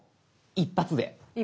一発で。